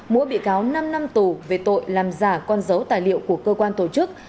mỗi bị cáo năm năm tù về tội làm giả con dấu tài liệu của cơ quan tổ chức